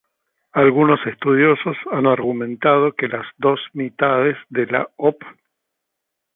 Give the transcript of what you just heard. Algunos estudiosos han argumentado que las dos mitades de la Op.